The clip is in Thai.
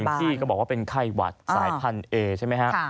อ้าหนึ่งที่ก็บอกว่าเป็นไข้หวัดสายพันเอใช่มั้ยครับ